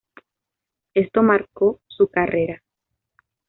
Esto marcó su carrera.